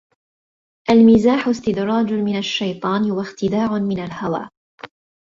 الْمِزَاحُ اسْتِدْرَاجٌ مِنْ الشَّيْطَانِ وَاخْتِدَاعٌ مِنْ الْهَوَى